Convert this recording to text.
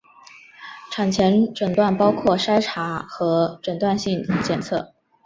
产前诊断包括筛查和诊断性检测。